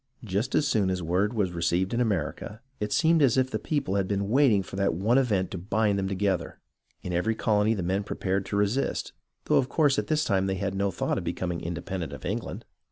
Just as soon as word was received in America, it seemed as if the people had been waiting for that one event to bind them together. In every colony the men pre pared to resist, though of course at this time they had no thought of becoming independent of England.